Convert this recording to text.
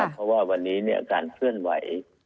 เพราะว่าวันนี้การเคลื่อนไหว